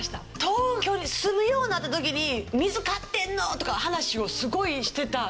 東京に住むようになった時に水買ってんのとか話をすごいしてたから。